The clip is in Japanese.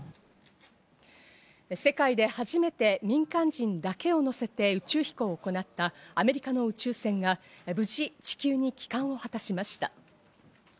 世界で初めて民間人だけを乗せて宇宙飛行を行ったアメリカの宇宙船が無事、地球に帰還を果たしました。